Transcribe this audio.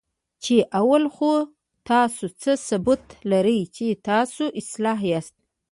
چې اول خو تاسو څه ثبوت لرئ، چې تاسو اصلاح یاست؟